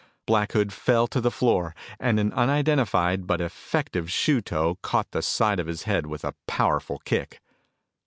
Black Hood fell to the floor and an unidentified but effective shoe toe caught the side of his head with a powerful kick.